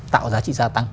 tạo giá trị gia tăng